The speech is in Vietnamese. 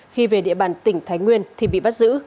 khi về địa bàn tỉnh thái nguyên thì bị bắt giữ